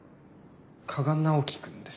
加賀直樹くんです。